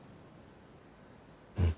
うん。